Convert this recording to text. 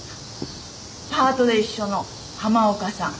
パートで一緒の浜岡さん。